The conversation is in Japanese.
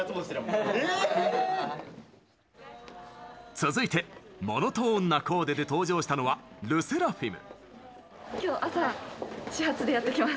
続いて、モノトーンなコーデで登場したのはＬＥＳＳＥＲＡＦＩＭ。